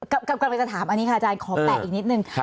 กำลังจะถามอันนี้ค่ะอาจารย์ขอแปะอีกนิดนึง